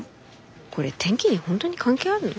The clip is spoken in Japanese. これ天気に本当に関係あるの？